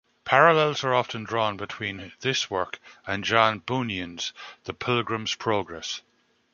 Parallels are often drawn between this work and John Bunyan's "The Pilgrim's Progress".